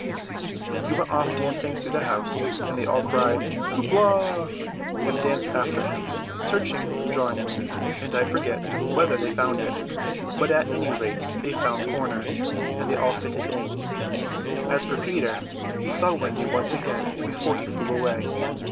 He went off dancing through the house, and they all cried "Hoop la!" and danced after him, searching for the drawing room; and I forget whether they found it, but at any rate they found corners, and they all fitted in. As for Peter, he saw Wendy once again before he flew away.